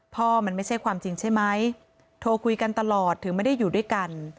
พ่อมันไม่ใช่ความจริงใช่ไหมโทรคุยกันตลอดถึงไม่ได้อยู่ด้วยกัน